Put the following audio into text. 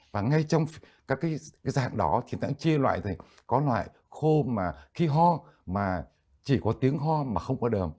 và ngay trong các cái dạng đó thì đã chia loại thì có loại khô mà khi ho mà chỉ có tiếng ho mà không có đờm